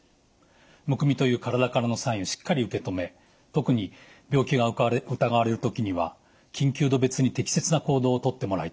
むくみという体からのサインをしっかり受け止め特に病気が疑われる時には緊急度別に適切な行動を取ってもらいたいと思います。